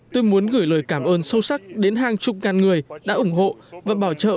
tôi muốn gửi lời cảm ơn sâu sắc đến hàng chục ngàn người đã ủng hộ và bảo trợ